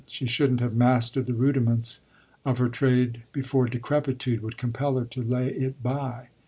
she shouldn't have mastered the rudiments of her trade before decrepitude would compel her to lay it by.